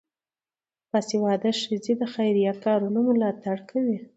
باسواده ښځې د خیریه کارونو ملاتړ کوي.